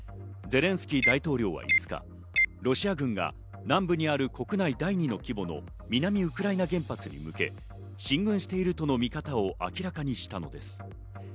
ゼレンスキー大統領は５日、ロシア軍が南部にある国内第２の規模の南ウクライナ原発に向け、進軍しているとの見方を明らかにしたのです。